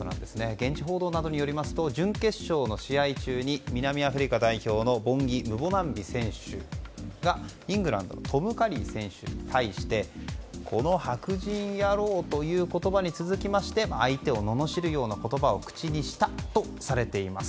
現地報道などによりますと準決勝の試合中に南アフリカ代表のボンギ・ムボナンビ選手がイングランドのトム・カリー選手に対してこの白人野郎という言葉に続きまして相手を、ののしるような言葉を口にしたとされています。